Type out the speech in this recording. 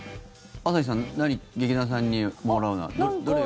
朝日さん何、劇団さんにもらうなら。